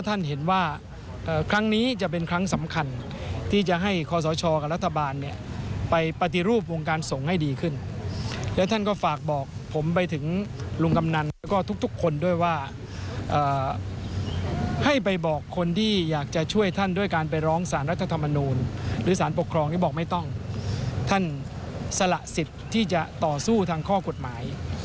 ท่านสละสิทธิ์ที่จะต่อสู้ทางข้อกฎหมาย